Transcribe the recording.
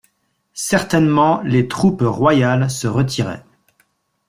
Certainement les troupes royales se retiraient.